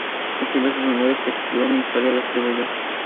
Escribió sus memorias, que tituló "Mi historia la escribo yo".